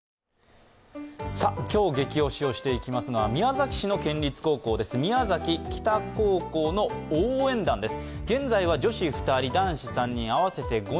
今日ゲキ推しをしていきますのは、宮崎市の県立高校です、宮崎北高校の応援団です。